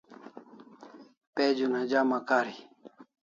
Page una jama kari